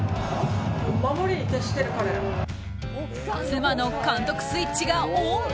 妻の監督スイッチがオン！